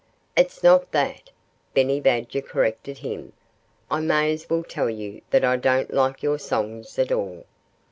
"It's not that," Benny Badger corrected him. "I may as well tell you that I don't like your songs at all."